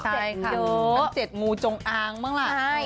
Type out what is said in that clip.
เด็ดเยอะนั้น๗งูจงอางบ้างล่ะโอ้โฮใช่